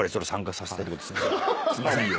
すいません。